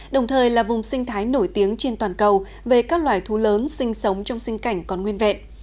đồng thời là vùng sinh thái nổi tiếng trên toàn cầu về các loài thú lớn sinh sống trong sinh cảnh còn nguyên vẹn